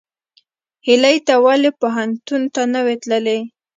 هیلۍ ته ولې پوهنتون ته نه وې تللې؟